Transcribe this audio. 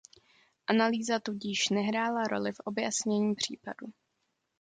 Analýza tudíž nehrála roli v objasnění případu.